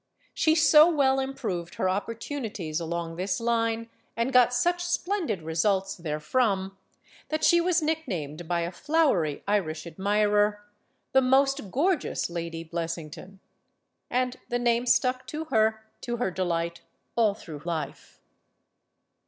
She so well improved her opportunities along this line, and got such splendid results therefrom, that "THE MOST GORGEOUS LADY BLESSINGTON" 213 she was nicknamed by a flowery Irish admirer "the most gorgeous Lady Blessington." And the name stuck to her, to her delight, all through life.